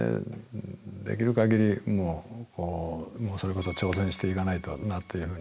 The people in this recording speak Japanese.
できるかぎりもう、それこそ挑戦していかないとなって思う。